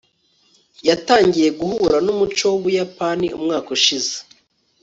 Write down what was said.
yatangiye guhura numuco wubuyapani umwaka ushize